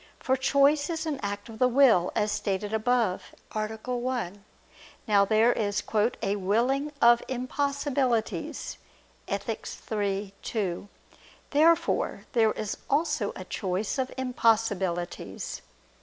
For choice is an act of the will, as stated above (A. 1). Now there is "a willing of impossibilities" (Ethic. iii, 2). Therefore there is also a choice of impossibilities.